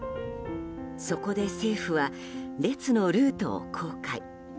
そこで政府は列のルートを公開。